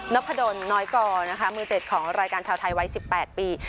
พดลน้อยกอนะคะมือ๗ของรายการชาวไทยวัย๑๘ปี